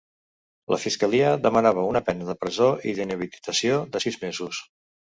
La fiscalia demanava una pena de presó i d’inhabilitació de sis mesos.